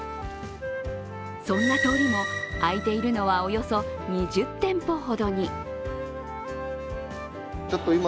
そんな通りも開いているのはおよそ２０店舗ほどに。